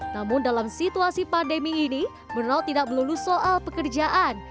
namun dalam situasi pandemi ini bernaud tidak melulu soal pekerjaan